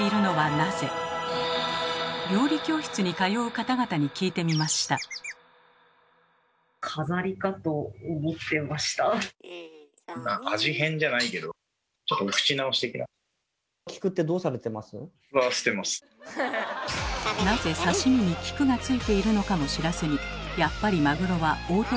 なぜ刺身に菊がついているのかも知らずに「やっぱりマグロは大トロより中トロだよね」